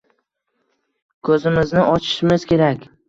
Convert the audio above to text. ko‘zimizni ochishimiz kerak.